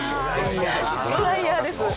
ドライヤーです。